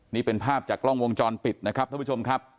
นี่เป็นภาพจากกล้องวงจรปิดนะครับท่านผู้ชมครับ